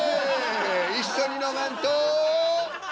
一緒に飲まんと！